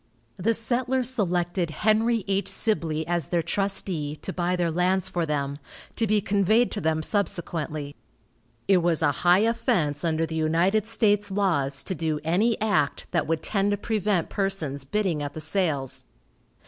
The settlers selected Henry H. Sibley as their trustee, to buy their lands for them, to be conveyed to them subsequently. It was a high offense under the United States laws to do any act that would tend to prevent persons bidding at the sales.